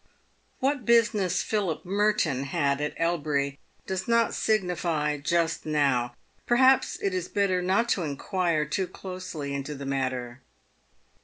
"What business Philip Merton had at Elbury does not signify just now. Perhaps it is better not to inquire too closely into the matter.